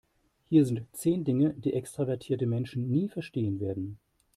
Hier sind zehn Dinge, die extravertierte Menschen nie verstehen werden.